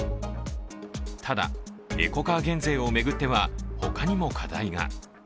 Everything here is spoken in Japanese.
ただ、エコカー減税を巡っては他にも課題が。